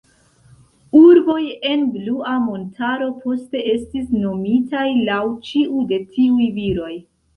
Urboj en Blua Montaro poste estis nomitaj laŭ ĉiu de tiuj viroj.